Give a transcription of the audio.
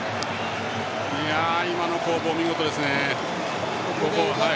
今の攻防、見事ですね。